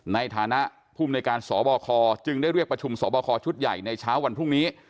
ในฐานะภูมิในการสบคจึงได้เรียกประชุมสอบคอชุดใหญ่ในเช้าวันพรุ่งนี้